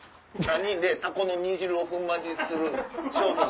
３人でタコの煮汁を粉末にする商品